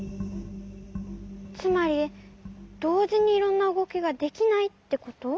つまりどうじにいろんなうごきができないってこと？